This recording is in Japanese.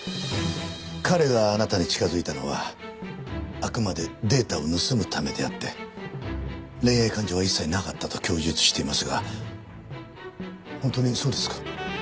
彼があなたに近づいたのはあくまでデータを盗むためであって恋愛感情は一切なかったと供述していますが本当にそうですか？